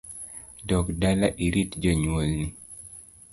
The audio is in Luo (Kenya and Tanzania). Dog dala irit jonyuol ni